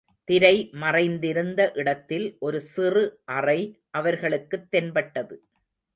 திரை மறைந்திருந்த இடத்தில் ஒரு சிறு அறை அவர்களுக்குத் தென்பட்டது.